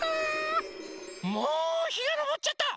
もうひがのぼっちゃった！